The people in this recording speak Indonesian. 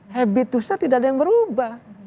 habitusnya tidak ada yang berubah